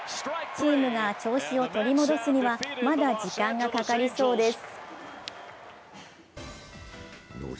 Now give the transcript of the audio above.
チームが調子を取り戻すには、まだ時間がかかりそうです。